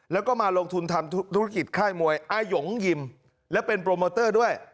แล้วก็มาลงทุนทำธุรกิจค่ายมวยอายงยิมและเป็นโปรโมเตอร์ด้วย